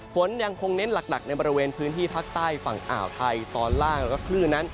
ฝนยังคงเน้นหลักในบริเวณพื้นที่ภาคใต้ฝั่งอ่าวไทยตอนล่างแล้วก็คลื่นนั้น